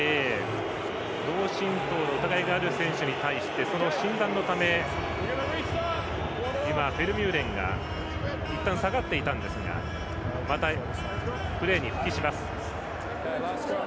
脳震とうの疑いがある選手に対してその診断のためフェルミューレンがいったん下がっていたんですがまたプレーに復帰します。